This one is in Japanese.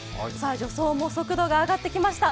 助走も速度が上がってきました。